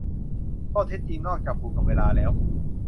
ข้อเท็จจริง นอกจากผูกกับเวลาแล้ว